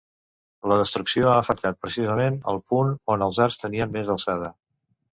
La destrucció ha afectat, precisament, el punt on els arcs tenien més alçada.